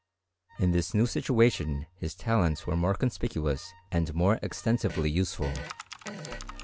In this new situation his talents were more conspicuous and more extensively useful.